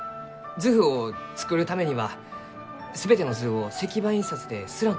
図譜を作るためには全ての図を石版印刷で刷らんといかん。